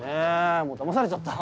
もうだまされちゃった。